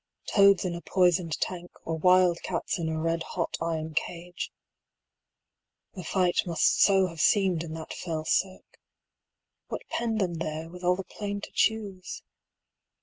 Toads in a poisoned tank, Or wild cats in a red hot iron cage The fight must so have seemed in that fell cirque. What penned them there, with all the plain to choose?